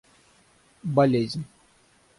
болезнь